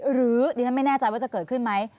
หรือดิฉันไม่แน่ใจว่าจะเกิดขึ้นไหม